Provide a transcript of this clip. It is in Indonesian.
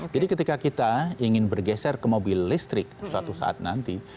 jadi ketika kita ingin bergeser ke mobil listrik suatu saat nanti